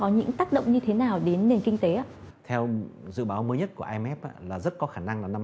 như trước dịch